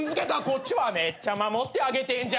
こっちはめっちゃ守ってあげてんじゃん！